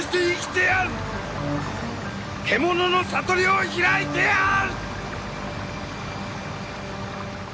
獣の悟りを開いてやる！